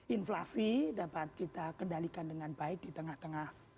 inflasi dapat kita kendalikan dengan baik di tengah tengah